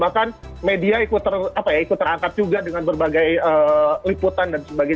bahkan media ikut terangkat juga dengan berbagai liputan dan sebagainya